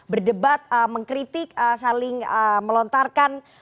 berdebat mengkritik saling melontarkan